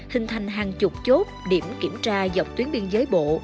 hình thành hàng chục chốt điểm kiểm tra dọc tuyến biên giới bộ